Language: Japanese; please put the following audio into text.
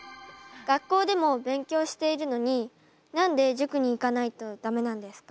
学校でも勉強しているのに何で塾に行かないと駄目なんですか？